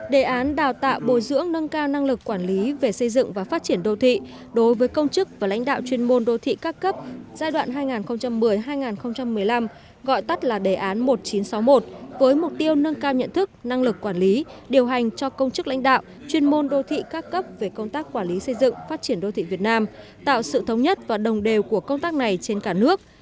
đề án đào tạo bồi dưỡng nâng cao năng lực quản lý về xây dựng và phát triển đô thị đối với công chức và lãnh đạo chuyên môn đô thị các cấp giai đoạn hai nghìn một mươi hai nghìn một mươi năm gọi tắt là đề án một nghìn chín trăm sáu mươi một với mục tiêu nâng cao nhận thức năng lực quản lý điều hành cho công chức lãnh đạo chuyên môn đô thị các cấp về công tác quản lý xây dựng phát triển đô thị việt nam tạo sự thống nhất và đồng đều của công tác này trên cả nước